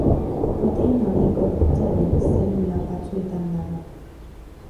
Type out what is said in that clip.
Proteina hori gorputzaren zelula batzuetan dago.